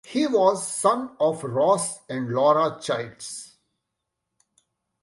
He was the son of Ross and Laura Childs.